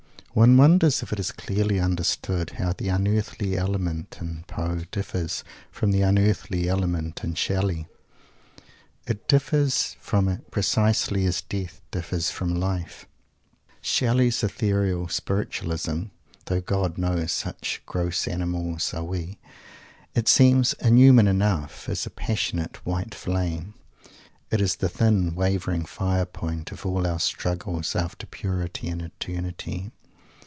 One wonders if it is clearly understood how the "unearthly" element in Poe differs from the "unearthly" element in Shelley. It differs from it precisely as Death differs from Life. Shelley's ethereal spiritualism though, God knows, such gross animals are we, it seems inhuman enough is a passionate white flame. It is the thin, wavering fire point of all our struggles after purity and eternity.